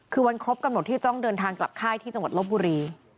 คือวันครบกำหนดที่ต้องเดินทางกลับค่ายที่จังหวัดลบบุรี